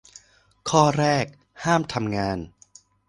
ข้อแรก ห้ามทำงาน